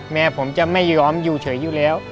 แม่ผมจะไม่ยอมอยู่เฉยอยู่แล้ว